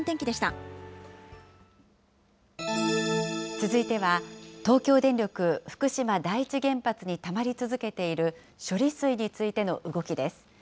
続いては、東京電力福島第一原発にたまり続けている処理水についての動きです。